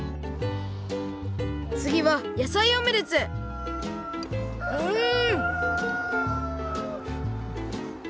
つぎは野菜オムレツうん！